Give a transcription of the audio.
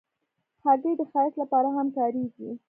هګۍ د ښایست لپاره هم کارېږي.